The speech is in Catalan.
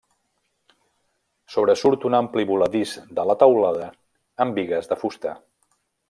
Sobresurt un ampli voladís de la teulada amb bigues de fusta.